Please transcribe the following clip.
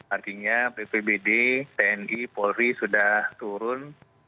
artinya bpbd tni polri sudah turun